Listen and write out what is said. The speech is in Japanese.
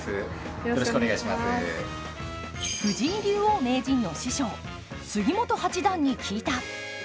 藤井竜王名人の師匠杉本八段に聞いた。